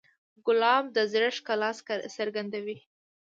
ګلاب د زړه ښکلا څرګندوي.